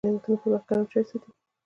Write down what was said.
ترموز د نعتونو پر وخت چای ګرم ساتي.